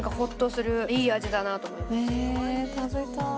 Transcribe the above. え食べたい。